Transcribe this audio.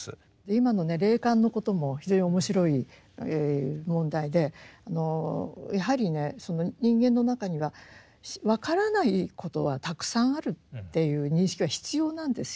今のね霊感のことも非常に面白い問題でやはりね人間の中には分からないことはたくさんあるっていう認識は必要なんですよ。